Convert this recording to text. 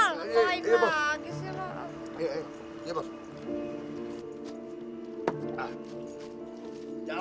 ngapain masih di sini lo